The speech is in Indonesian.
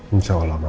insya allah mama